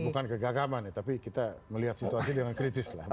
bukan kegagaman ya tapi kita melihat situasi dengan kritis lah